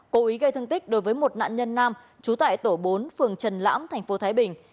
cố ý gây thương tích đối với một nạn nhân nam chú tại tổ bốn phường trần lãm tp thái bình